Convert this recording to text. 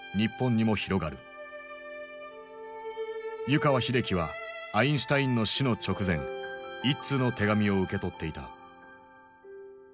湯川秀樹はアインシュタインの死の直前一通の手紙を受け取っていた。